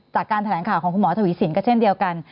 จากการแถลงข่าวของคุณหมอทวีสินก็เช่นเดียวกัน